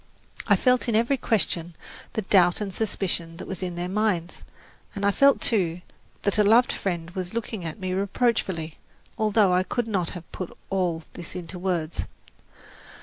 I felt in every question the doubt and suspicion that was in their minds, and I felt, too, that a loved friend was looking at me reproachfully, although I could not have put all this into words.